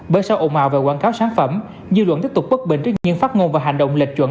bởi sau ồn ào về quảng cáo sản phẩm dư luận tiếp tục bất bình trước những phát ngôn và hành động lệch chuẩn